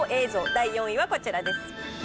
第４位はこちらです。